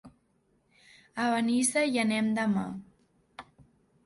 A Benissa hi anem demà.